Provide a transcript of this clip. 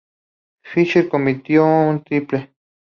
Fisher convirtió un triple.